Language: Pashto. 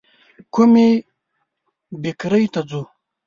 کومي بېکرۍ ته ځو ؟